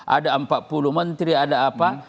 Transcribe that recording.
ada empat puluh menteri ada apa